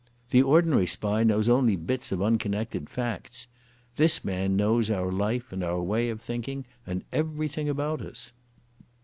The ordinary spy knows only bits of unconnected facts. This man knows our life and our way of thinking and everything about us."